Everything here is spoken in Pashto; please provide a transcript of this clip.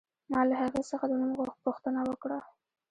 ما له هغې څخه د نوم پوښتنه وکړه